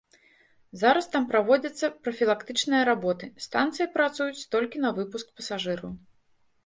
Зараз там праводзяцца прафілактычныя работы, станцыі працуюць толькі на выпуск пасажыраў.